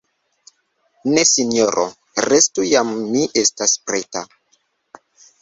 Ne, Sinjoro, restu; jam mi estas preta.